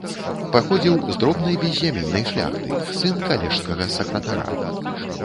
Паходзіў з дробнай беззямельнай шляхты, сын калежскага сакратара.